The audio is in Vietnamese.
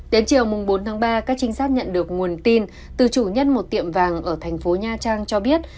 đến chiều bốn tháng ba các trinh sát nhận được nguồn tin từ chủ nhân một tiệm vàng ở thành phố nha trang cho biết